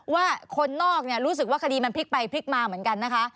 ว่าคนนอกเนี่ยรู้สึกว่าคดีมันพลิกไปพลิกมาเหมือนกันนะคะ